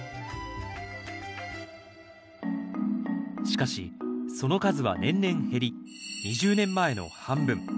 しかしその数は年々減り２０年前の半分。